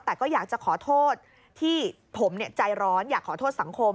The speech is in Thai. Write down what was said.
แต่ก็อยากจะขอโทษที่ผมใจร้อนอยากขอโทษสังคม